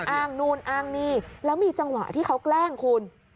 อ้างนู่นอ้างนี่แล้วมีจังหวะที่เขาแกล้งคุณ